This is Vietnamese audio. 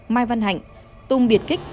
mai văn hạnh tùng biệt kích